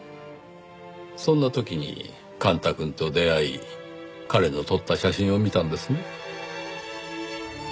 そんな時に幹太くんと出会い彼の撮った写真を見たんですね？